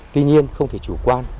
tuy nhiên không thể chủ quan